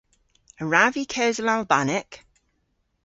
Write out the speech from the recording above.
A wrav vy kewsel Albanek?